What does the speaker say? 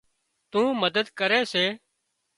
تو مدد ڪري سي